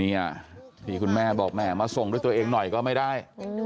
นี่ที่คุณแม่บอกแม่มาส่งด้วยตัวเองหน่อยก็ไม่ได้